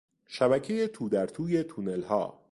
شبکهی تودرتوی تونل ها